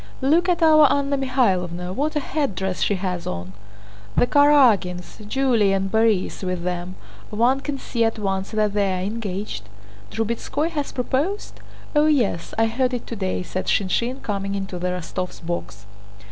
"Look at our Anna Mikháylovna—what a headdress she has on!" "The Karágins, Julie—and Borís with them. One can see at once that they're engaged...." "Drubetskóy has proposed?" "Oh yes, I heard it today," said Shinshín, coming into the Rostóvs' box.